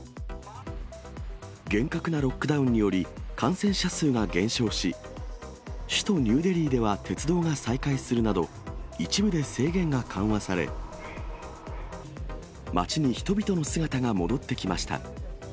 厳格なロックダウンにより、感染者数が減少し、首都ニューデリーでは鉄道が再開するなど、一部で制限が緩和され、町に人々の姿が戻ってきました。